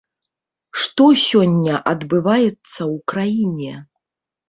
Што сёння адбываецца ў краіне?